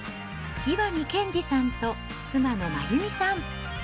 岩見兼次さんと妻の眞由美さん。